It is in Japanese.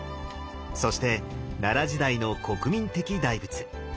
そして奈良時代の国民的大仏。